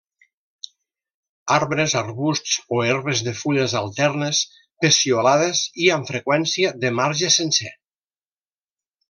Arbres arbusts o herbes de fulles alternes, peciolades i, amb freqüència, de marge sencer.